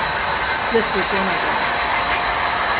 This was one of them.